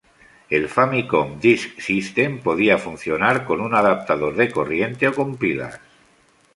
El Famicom Disk System podía funcionar con un adaptador de corriente o con pilas.